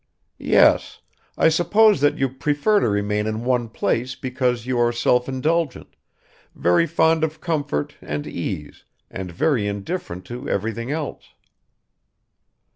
"Yes ... I suppose that you prefer to remain in one place because you are self indulgent, very fond of comfort and ease and very indifferent to everything else."